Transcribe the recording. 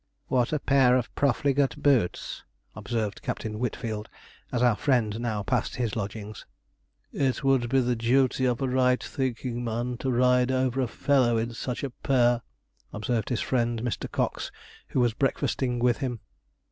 'What a pair of profligate boots,' observed Captain Whitfield, as our friend now passed his lodgings. 'It would be the duty of a right thinking man to ride over a fellow in such a pair,' observed his friend, Mr. Cox, who was breakfasting with him.